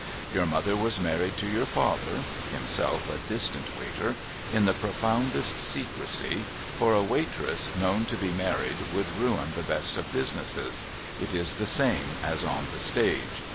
Your mother was married to your father (himself a distant Waiter) in the profoundest secrecy ; for a Waitress known to be married would ruin the best of businesses, — it is the same as on the stage.